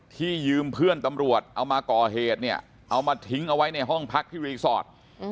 ยืมเพื่อนตำรวจเอามาก่อเหตุเนี่ยเอามาทิ้งเอาไว้ในห้องพักที่รีสอร์ท